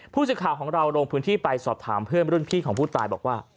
ผู้สื่อข่าวของเราลงพื้นที่ไปสอบถามเพื่อนรุ่นพี่ของผู้ตายบอกว่า